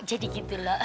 jadi gitu lho